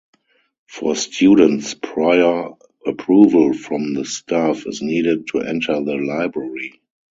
For students, prior approval from the staff is needed to enter the library.